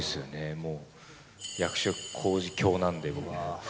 もう役所広司教なので、僕は。